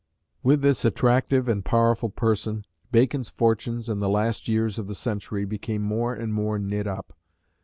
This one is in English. With this attractive and powerful person Bacon's fortunes, in the last years of the century, became more and more knit up.